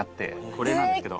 これなんですけど。